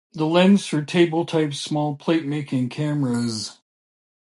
The lens for table type small platemaking cameras.